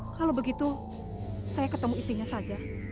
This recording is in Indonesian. kalau begitu saya ketemu istrinya saja